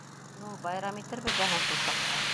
Ну, байрам итербеҙ ҙә һуң шул саҡта.